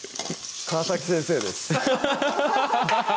川先生です